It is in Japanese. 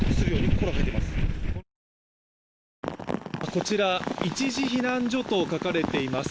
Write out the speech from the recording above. こちら、一次避難所と書かれています。